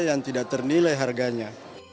yang tidak ternilai harganya